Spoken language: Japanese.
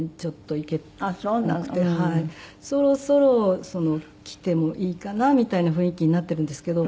そろそろ来てもいいかなみたいな雰囲気になっているんですけど。